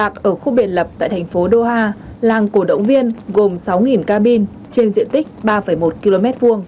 world cup ở khu biển lập tại thành phố doha làng cổ động viên gồm sáu cabin trên diện tích ba một km hai